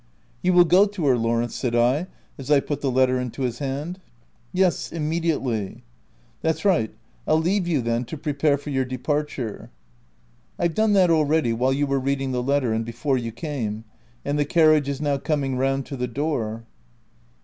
" You will go to her, Lawrence ?" said I, as I put the letter into his hand. "Yes, immediately." "That's right! Pll leave you, then, to pre pare for your departure.'' " I've done that, already, while you were reading the letter, and before you came ; and the carriage is now coming round to the door.''